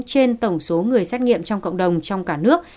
trên tổng số người xét nghiệm trong cộng đồng trong cả nước